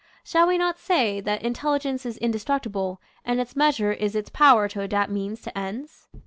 Shall we not say that In telligence is indestructible, and its measure is its Power to adapt means to ends?